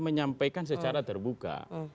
menyampaikan secara terbuka